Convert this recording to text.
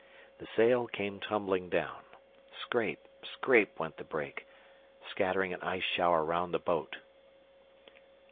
The sail came tumbling down. Scrape, scrape went the brake, scattering an ice shower round the boat.